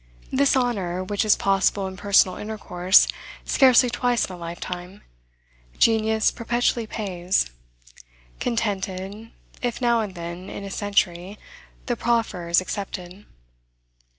This honor, which is possible in personal intercourse scarcely twice in a lifetime, genius perpetually pays; contented, if now and then, in a century, the proffer is accepted.